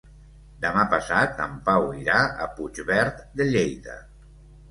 Demà passat en Pau irà a Puigverd de Lleida.